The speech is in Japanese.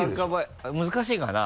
難しいかな？